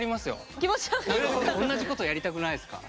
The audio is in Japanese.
同じことやりたくないですか？